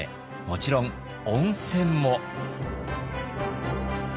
もちろん温泉も。